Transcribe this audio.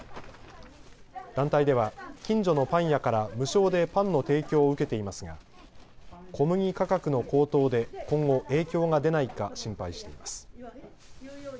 団体では近所のパン屋から無償でパンの提供を受けていますが小麦価格の高騰で、今後影響が出ないか心配しています。